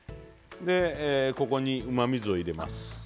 でここにうまみ酢を入れます。